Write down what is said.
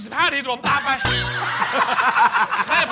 เราไปเลยเราไปกัน